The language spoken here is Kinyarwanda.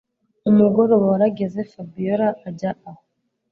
Umugoroba warageze Fabiora ajya aho